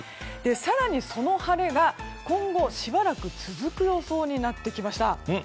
更に、その晴れが今後しばらく続く予想になってきました。